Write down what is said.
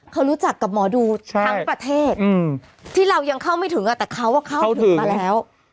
เขารู้จักกับหมอดูทั้งประเทศที่เรายังเข้าไม่ถึงแต่เขาเข้าถึงมาแล้ว